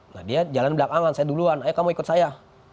nah dia jalan belakangan saya duluan ayo kamu ikut saya